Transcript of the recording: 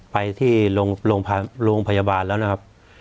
ไปที่โรงพยาบาลแล้วนะครับ